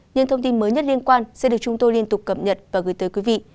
những thông tin mới nhất liên quan sẽ được chúng tôi liên tục cập nhật và gửi tới quý vị